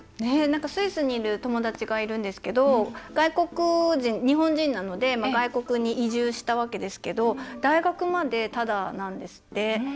スイスにいる友達がいるんですけど日本人なので外国に移住したわけですけど大学まで、タダなんですって。